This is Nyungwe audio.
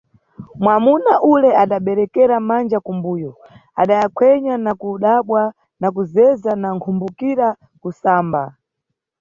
Mwamuna ule adaberekera manja ku mbuyo, adayakhwenya na kudabwa na kuzeza na nkhumbukira, kusamba.